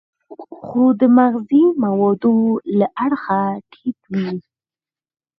خو د مغذي موادو له اړخه ټیټ وي.